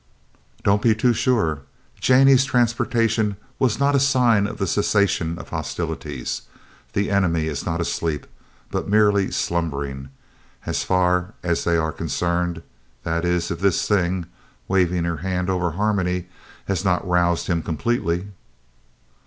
"Don't be too sure. Jannie's transportation was not a sign of the cessation of hostilities. The enemy is not asleep, but merely slumbering, as far as they are concerned that is, if this thing" (waving her hand over Harmony) "has not roused him completely."